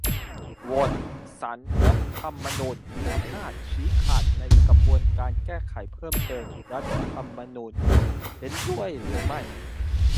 โหวต : ศาลรัฐธรรมนูญมีอำนาจชี้ขาดในกระบวนการแก้ไขเพิ่มเติมรัฐธรรมนูญ เห็นด้วยหรือไม่ ?